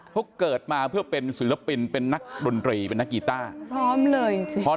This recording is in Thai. เขาเกิดมาเพื่อเป็นศิลปินเป็นนักดนตรีเป็นนักกีต้าพร้อมเลยจริงจริงพร้อม